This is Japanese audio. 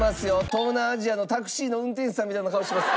東南アジアのタクシーの運転手さんみたいな顔してます。